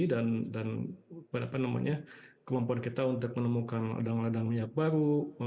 dan kemampuan kita untuk menemukan ladang ladang minyak baru